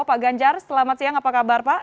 pak ganjar selamat siang apa kabar pak